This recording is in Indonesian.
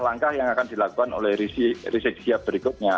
apa langkah yang akan dilakukan oleh riseg siap berikutnya